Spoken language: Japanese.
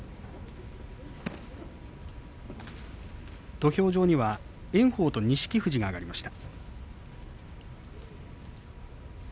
土俵上には炎鵬と錦富士が上がりました。